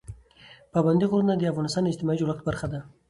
پابندي غرونه د افغانستان د اجتماعي جوړښت برخه ده.